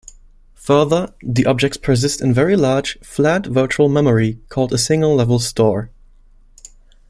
Further, the objects persist in very large, flat virtual memory, called a single-level store.